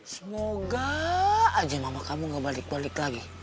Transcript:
semoga aja mama kamu gak balik balik lagi